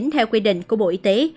theo quy định của bộ y tế